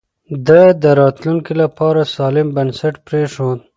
ده د راتلونکي لپاره سالم بنسټ پرېښود.